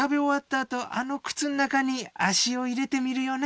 あとあの靴の中に足を入れてみるよね。